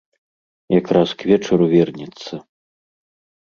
Якраз к вечару вернецца.